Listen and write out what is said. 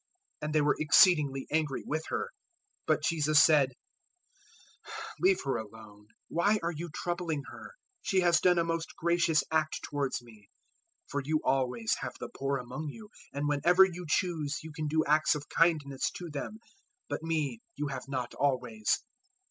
And they were exceedingly angry with her. 014:006 But Jesus said, "Leave her alone: why are you troubling her? She has done a most gracious act towards me. 014:007 For you always have the poor among you, and whenever you choose you can do acts of kindness to them; but me you have not always.